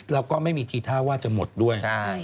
แล้วก็ไม่มีทีท่าว่าจะหมดด้วย